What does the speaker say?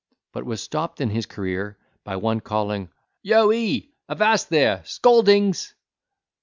—but was stopped in his career by one calling, "Yo he, avast there—scaldings!"